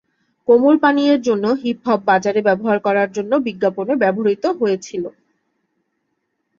কোমল পানীয়ের জন্য হিপ-হপ বাজারে ব্যবহার করার জন্য বিজ্ঞাপনে ব্যবহৃত হয়েছিল।